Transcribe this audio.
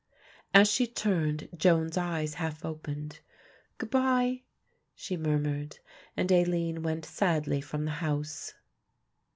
As she turned Joan's eyes half opened. "Good bye," she murmured, and Aline went sadly from the house.